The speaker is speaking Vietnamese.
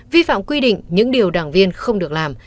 vi phạm quy định những điều đảng viên không được làm